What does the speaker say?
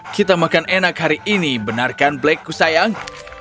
kita makan enak hari ini benarkan black ku sayang